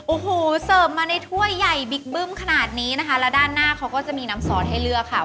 โอ้โหเสิร์ฟมาในถ้วยใหญ่บิ๊กบึ้มขนาดนี้นะคะแล้วด้านหน้าเขาก็จะมีน้ำซอสให้เลือกค่ะ